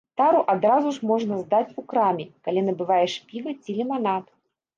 Тару адразу ж можна здаць у краме, калі набываеш піва ці ліманад.